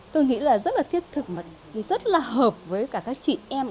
tôi nghĩ là rất là thiết thực rất là hợp với cả các chị em